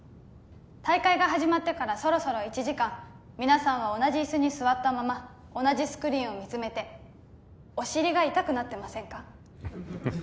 大会が始まってからそろそろ１時間皆さんは同じ椅子に座ったまま同じスクリーンを見つめてお尻が痛くなってませんか？